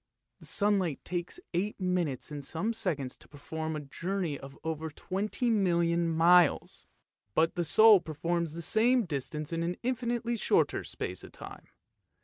The sunlight takes eight minutes and some seconds to perform a journey of over twenty millions of miles, 318 ANDERSEN'S FAIRY TALES but the soul performs the same distance in an infinitely shorter space of time.